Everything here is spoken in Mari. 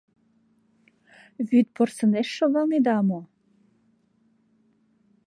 Вӱд порсынеш шогалнеда мо?